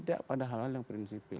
tidak pada hal hal yang prinsipil